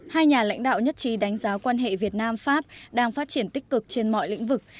hai nhà lãnh đạo nhất trí đánh giá quan hệ việt nam pháp đang phát triển tích cực trên mọi lĩnh vực